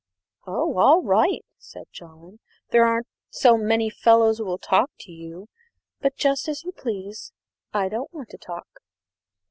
"Oh, all right!" said Jolland, "there aren't so many fellows who will talk to you; but just as you please I don't want to talk."